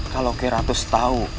kalau k seratus tahu